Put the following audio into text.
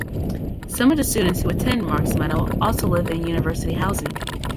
Some of the students who attend Mark's Meadow also live in university housing.